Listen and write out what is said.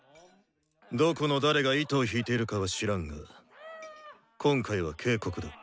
どこの誰が糸を引いているかは知らんが今回は警告だ。